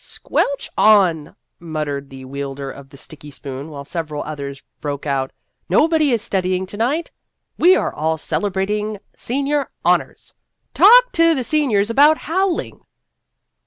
" Squelch on," muttered the wielder of the sticky spoon, while several others broke out :" Nobody is studying to night." " We are all celebrating senior honors." "Talk to the seniors about howling."